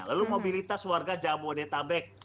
lalu mobilitas warga jabodetabek